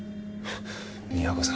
美和子さん。